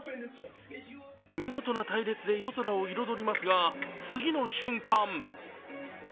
見事な隊列で夜空を彩りますが次の瞬間